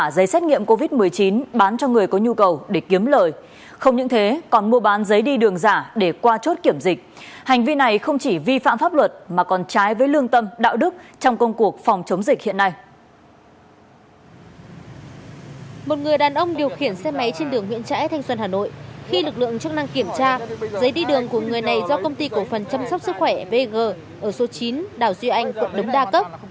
giấy đi đường của người này do công ty cổ phần chăm sóc sức khỏe vg ở số chín đảo duy anh quận đống đa cấp